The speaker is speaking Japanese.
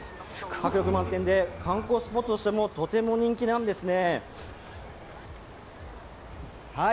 迫力満点で観光スポットとしてもとても人気なんですね。